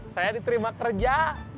saya diterima kerja